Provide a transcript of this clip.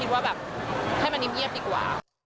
ก็คิดว่าแบบให้มันนิ่มเย็บดีกว่า